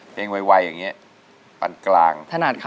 เพลงวัยอย่างเงี้ยปันกลาง